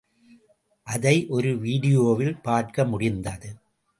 அதை ஒரு வீடியோவில் பார்க்க முடிந்தது.